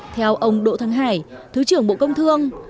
theo ông đỗ thắng hải thứ trưởng bộ công thương